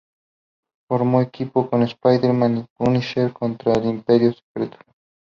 Formó equipo con Spider-Man y Punisher contra el Imperio Secreto.